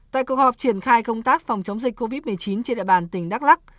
tại cuộc họp triển khai công tác phòng chống dịch covid một mươi chín trên địa bàn tỉnh đắk lắc